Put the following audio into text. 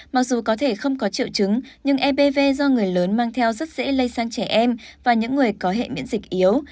mặc dù có thể không có triệu chứng nhưng evv do người lớn mang theo rất dễ lây sang trẻ em và những người có hệ miễn dịch yếu